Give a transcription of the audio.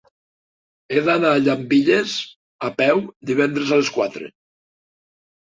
He d'anar a Llambilles a peu divendres a les quatre.